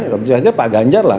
tentu saja pak ganjar lah